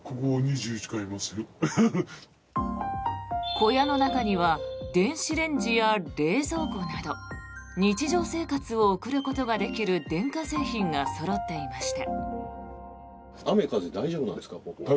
小屋の中には電子レンジや冷蔵庫など日常生活を送ることができる電化製品がそろっていました。